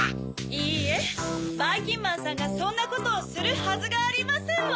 いいえばいきんまんさんがそんなことをするはずがありませんわ。